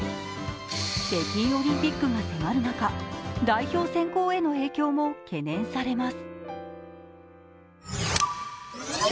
北京オリンピックが迫る中、代表選考への影響も懸念されます。